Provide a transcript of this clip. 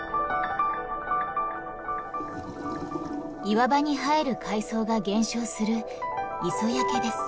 岩場に生える海藻が減少する磯焼けです。